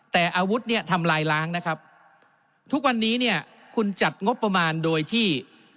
แต่อาวุธเนี่ยทำลายล้างนะครับทุกวันนี้เนี่ยคุณจัดงบประมาณโดยที่